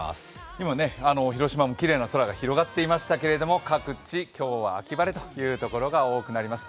今ね、広島もきれいな空が広がっていましたけれども各地、今日は秋晴れというところが多くなります。